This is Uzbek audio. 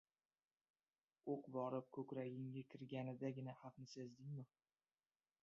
• O‘q borib ko‘kragingga kirganidagina xavfni sezdingmi?